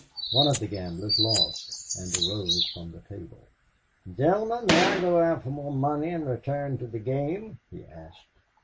One of the gamblers lost and arose from the table. "Gentlemen, may I go out for more money and return to the game?" he asked.